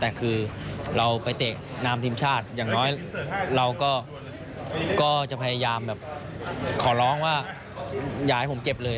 แต่คือเราไปเตะนามทีมชาติอย่างน้อยเราก็จะพยายามแบบขอร้องว่าอย่าให้ผมเจ็บเลย